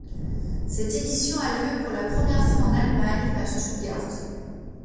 Cette édition a lieu pour la première fois en Allemagne, à Stuttgart.